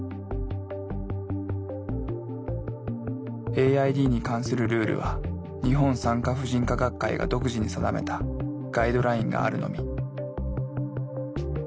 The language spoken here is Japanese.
ＡＩＤに関するルールは日本産科婦人科学会が独自に定めたガイドラインがあるのみ。